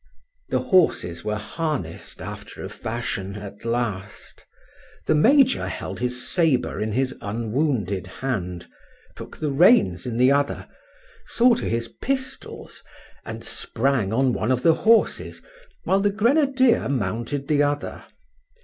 The horses were harnessed after a fashion at last. The major held his sabre in his unwounded hand, took the reins in the other, saw to his pistols, and sprang on one of the horses, while the grenadier mounted the other.